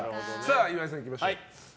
岩井さん、いきましょう。